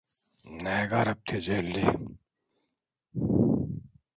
Ne garip tecelli.